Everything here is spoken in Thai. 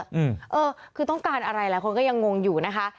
เออคือต้องการอะไรหลายคนก็ยังงงอยู่นะคะ